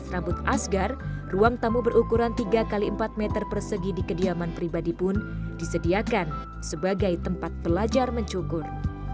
ruang tamu berukuran tiga x empat meter persegi di kediaman pribadi pun disediakan sebagai tempat pelajar mencungur